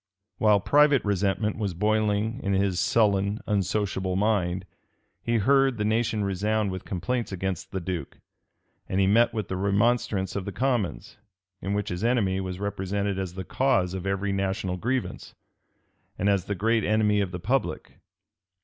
While private resentment was boiling in his sullen, unsociable mind, he heard the nation resound with complaints against the duke; and he met with the remonstrance of the commons, in which his enemy was represented as the cause of every national grievance, and as the great enemy of the public.